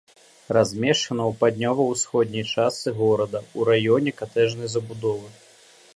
Размешчана ў паўднёва-ўсходняй частцы горада ў раёне катэджнай забудовы.